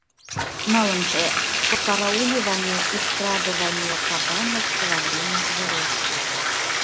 Нылымше: подкарауливание и скрадывание кабанов во время жировки...